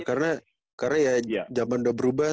karena ya zaman udah berubah